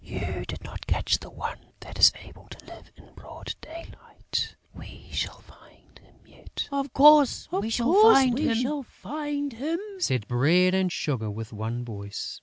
"You did not catch the one that is able to live in broad daylight.... We shall find him yet...." "Of course, we shall find him," said Bread and Sugar, with one voice.